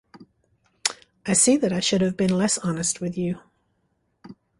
I see that I should have been less honest with you.